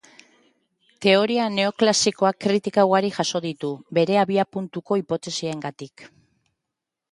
Teoria neoklasikoak kritika ugari jaso ditu bere abiapuntuko hipotesiengatik.